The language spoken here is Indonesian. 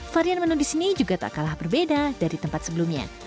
varian menu di sini juga tak kalah berbeda dari tempat sebelumnya